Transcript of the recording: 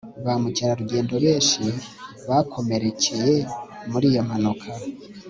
ba mukerarugendo benshi bakomerekeye muri iyo mpanuka